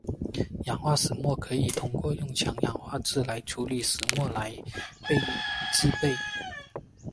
氧化石墨可以通过用强氧化剂来处理石墨来制备。